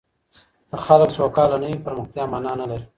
که خلګ سوکاله نه وي، پرمختيا مانا نلري.